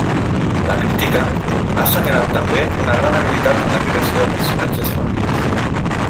La crítica ha assenyalat també una gran habilitat en la creació de personatges femenins.